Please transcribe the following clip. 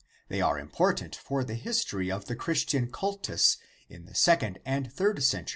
They are important for the history of the Christian cultus in the second and third cent.